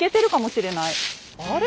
あれ？